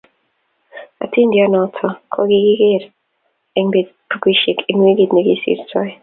Hatindiondonoto ko kikiser eng bukuisiek eng wikit nekisirtoi